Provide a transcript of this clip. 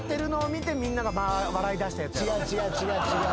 違う違う違う違う。